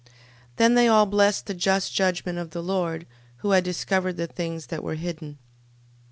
Then they all blessed the just judgment of the Lord, who had discovered the things that were hidden.